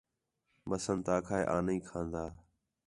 بسنت آکھا ہِے آں نھیں کھان٘دا